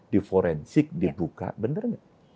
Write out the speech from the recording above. di forensik dibuka benarnya